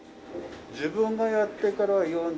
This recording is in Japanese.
自分がやってから４６年。